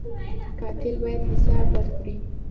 قاتل باید حساب ورکړي